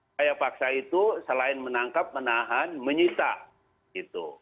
saya paksa itu selain menangkap menahan menyita gitu